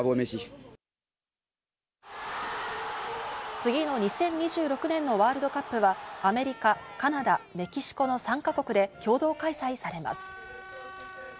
次の２０２６年のワールドカップはアメリカ、カナダ、メキシコの３か国で共同開催されます。